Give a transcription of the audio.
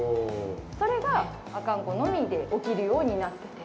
それが、阿寒湖のみで起きるようになってて。